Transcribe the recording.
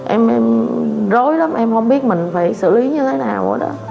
em rối lắm em không biết mình phải xử lý như thế nào rồi đó